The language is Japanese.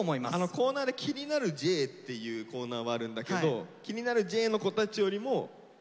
コーナーで「気になるＪ」っていうコーナーはあるんだけど「気になるＪ」の子たちよりももっと。